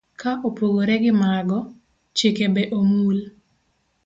Ka opogore gi mago, chike be omul.